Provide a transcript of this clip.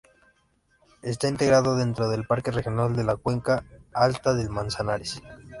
Está integrado dentro del Parque Regional de la Cuenca Alta del Manzanares.